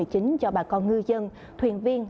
cho bà con ngư dân thuyền viên